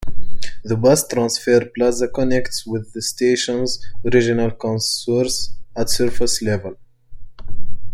The bus transfer plaza connects with the station's original concourse at surface level.